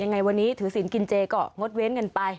ยังไงวันนี้ถือศีลกินเจก็งดเว้นกันไป